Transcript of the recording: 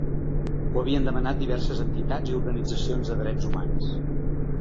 Ho havien demanat diverses entitats i organitzacions de drets humans.